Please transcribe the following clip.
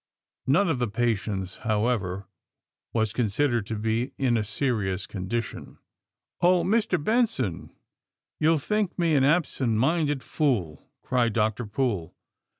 None of the patients, however, was con sidered to be in a serious condition. *^0h, Mr. Benson, you'll think me an absent minded fool," cried Dr. Poole.